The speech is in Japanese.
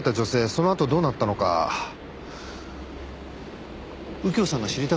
そのあとどうなったのか右京さんが知りたがってるんです。